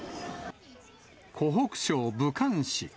湖北省武漢市。